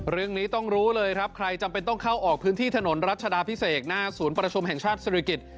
เรื่องนี้ต้องรู้เลยครับใครจำเป็นต้องเข้าออกพื้นที่ถนนรัชดาพิเศษหน้าศูนย์ประชุมแห่งชาติศิริกิจ